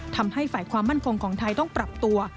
ทำให้ฝ่ายความมั่นคงของไทยต้องปรับตัว